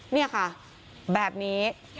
นี่ค่ะแบบนี้